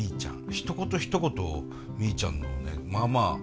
ひと言ひと言みーちゃんのねまあまあ